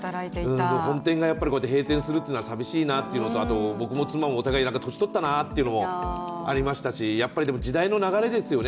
本店が閉店するというのは寂しいなというのとあと僕も妻もお互い年とったなというのもありましたしやっぱり時代の流れですよね。